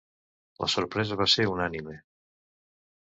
La sorpresa va ser unànime.